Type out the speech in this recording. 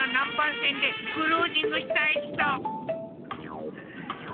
船でクルージングしたい人！